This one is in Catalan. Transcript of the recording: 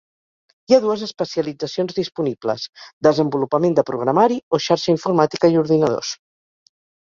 Hi ha dues especialitzacions disponibles: desenvolupament de programari o xarxa informàtica i ordinadors.